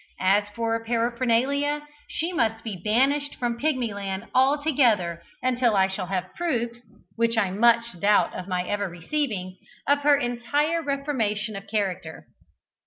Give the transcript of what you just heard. As for Paraphernalia, she must be banished from Pigmyland altogether, until I shall have proofs which I much doubt my ever receiving of her entire reformation of character."